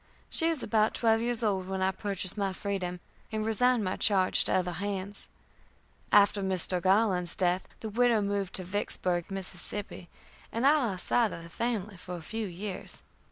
She was about twelve years old when I purchased my freedom, and resigned my charge to other hands. After Mr. Garland's death, the widow moved to Vicksburg, Mississippi, and I lost sight of the family for a few years.